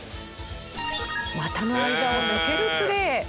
股の間を抜けるプレー。